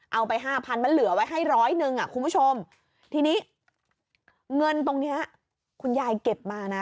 เอาไปห้าพันมันเหลือไว้ให้ร้อยหนึ่งอ่ะคุณผู้ชมทีนี้เงินตรงเนี้ยคุณยายเก็บมานะ